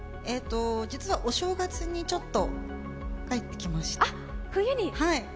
実はお正月にちょっと帰ってきました。